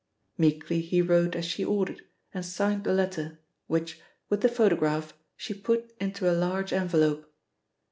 '" Meekly he wrote as she ordered and signed the letter, which, with the photograph, she put into a large envelope.